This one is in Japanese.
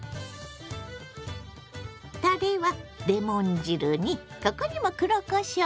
たれはレモン汁にここにも黒こしょう！